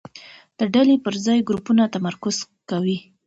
ډلې پر ځای ګروپونو تمرکز کوي.